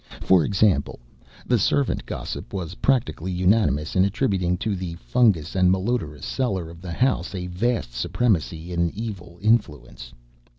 For example, the servant gossip was practically unanimous in attributing to the fungous and malodorous cellar of the house a vast supremacy in evil influence.